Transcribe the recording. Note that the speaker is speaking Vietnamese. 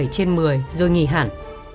bảy trên một mươi rồi nghỉ hạn